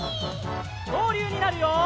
きょうりゅうになるよ！